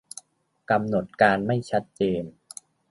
- กำหนดการไม่ชัดเจน